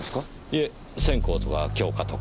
いえ線香とか供花とか。